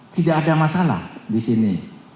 tidak ada masalah disini